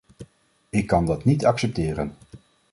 Ik kan dat niet accepteren.